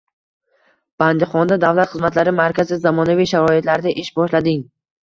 Bandixonda Davlat xizmatlari markazi zamonaviy sharoitlarda ish boshlading